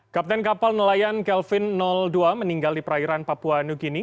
kapten kapal nelayan kelvin dua meninggal di perairan papua new guinea